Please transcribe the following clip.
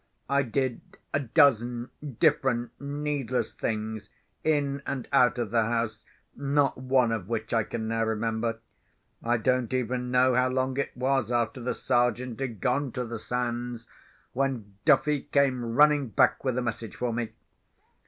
I did a dozen different needless things in and out of the house, not one of which I can now remember. I don't even know how long it was after the Sergeant had gone to the sands, when Duffy came running back with a message for me.